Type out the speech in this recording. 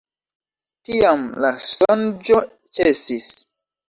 Tiam la sonĝo ĉesis.